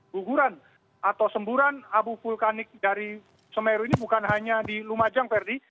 guguran atau semburan abu vulkanik dari semeru ini bukan hanya di lumajang ferdi